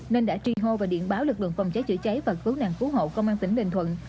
nên đã tri hô và điện báo lực lượng phòng cháy chữa cháy và cứu nạn cứu hộ công an tỉnh bình thuận